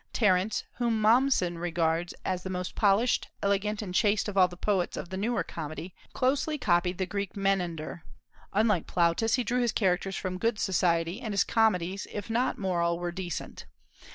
Terence, whom Mommsen regards as the most polished, elegant, and chaste of all the poets of the newer comedy, closely copied the Greek Menander. Unlike Plautus, he drew his characters from good society, and his comedies, if not moral, were decent.